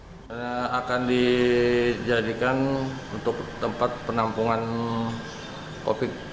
penampungan kppi sembilan belas akan dipernihatkan sebagai tempat penampungan covid sembilan belas